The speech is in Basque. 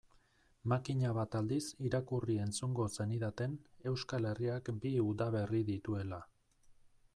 Makina bat aldiz irakurri-entzungo zenidaten Euskal Herriak bi udaberri dituela.